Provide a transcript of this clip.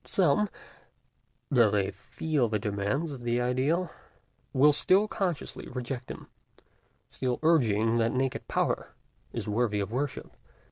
Some, though they feel the demands of the ideal, will still consciously reject them, still urging that naked Power is worthy of worship.